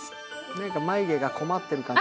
何かまゆげが困ってる感じ。